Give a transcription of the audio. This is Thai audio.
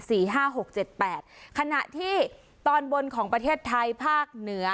ห้าหกเจ็ดแปดขณะที่ตอนบนของประเทศไทยภาคเหนือ